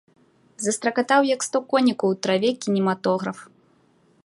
Застракатаў, як сто конікаў у траве, кінематограф.